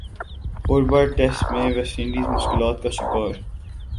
Hobart test میں West Indies مشکلات کا شکار